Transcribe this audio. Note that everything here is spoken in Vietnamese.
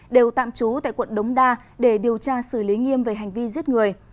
đều tạm trú tại quận đống đa để điều tra xử lý nghiêm về hành vi giết người